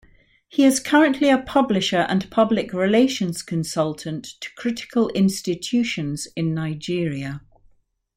He is currently a Publisher and Public Relations consultant to critical institutions in Nigeria.